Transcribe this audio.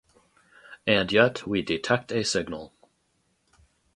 And yet we detect a signal.